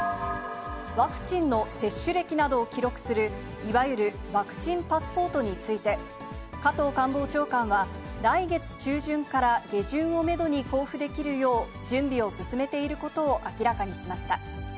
ワクチンの接種歴などを記録する、いわゆるワクチンパスポートについて、加藤官房長官は、来月中旬から下旬をメドに交付できるよう準備を進めていることを明らかにしました。